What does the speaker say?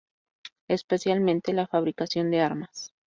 Especialmente la fabricación de armas.